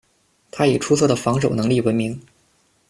他以出色的防守能力闻名。